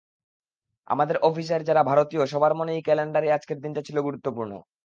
আমাদের অফিসের যারা ভারতীয়, সবার মনের ক্যালেন্ডারেই আজকের দিনটা ছিল খুব গুরুত্বপূর্ণ।